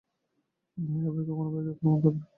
নহিলে ভাই কখনো ভাইকে আক্রমণ করে না।